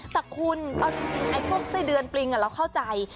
แต่คุณไอ้พวกไส้เดือนปลิงอ่ะเราเข้าใจ